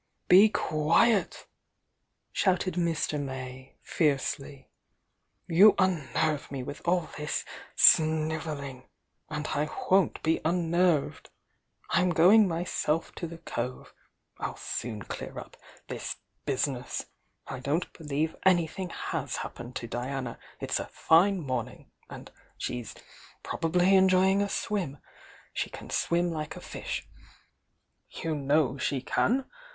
"Be quiet!" shouted Mr. May fiercely. "You un nerve me with all this snivelling! — and I won't be unnerved! I'm going myself to the cove— I'll soon clear up this business! I don't believe anything has 6 CO THE YOUNG DIANA happened to Diana, ifs a fine morning, anf shejs SXbly enjoying a swim. she can swun like a fish Lyou know she can!